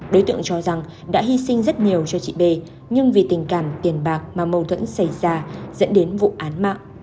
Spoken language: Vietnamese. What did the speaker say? đối tượng cho rằng đã hy sinh rất nhiều cho chị b nhưng vì tình cảm tiền bạc mà mâu thuẫn xảy ra dẫn đến vụ án mạng